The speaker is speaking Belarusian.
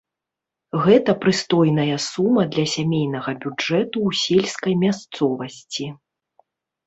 Гэта прыстойная сума для сямейнага бюджэту ў сельскай мясцовасці.